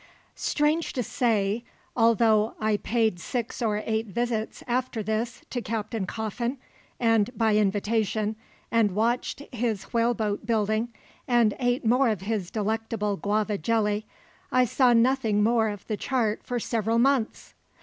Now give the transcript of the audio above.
Strange to say, although I paid six or eight visits after this to Captain Coffin, and by invitation, and watched his whaleboat building, and ate more of his delectable guava jelly, I saw nothing more of the chart for several months.